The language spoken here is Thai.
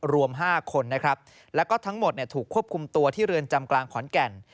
รวมห้าคนนะครับและทั้งหมดเนี่ยถูกควบคุมตัวที่เรือนจำกลางขรอนแก่น